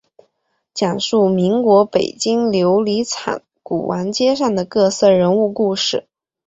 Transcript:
讲述民国北京琉璃厂古玩街上的各色人物故事。